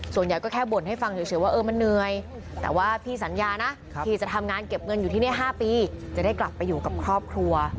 ส่วนใหญ่ก็แค่บ่นให้ฟังเฉยว่าเออมันเหนื่อยแต่ว่าพี่สัญญานะที่จะทำงานเก็บเงินอยู่ที่นี่๕ปีจะได้กลับไปอยู่กับครอบครัว